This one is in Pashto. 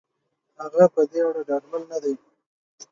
هغه په دې اړه ډاډمن نه دی.